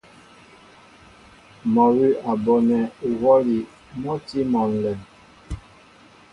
Mɔ́ awʉ́ a bonɛ uhwɔ́li mɔ́ a tí mɔ ǹlɛm.